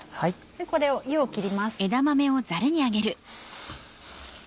これを湯を切ります。